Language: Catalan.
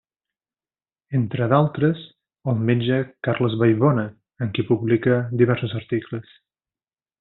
Entre d'altres, el metge Carles Vallbona amb qui publica diversos articles.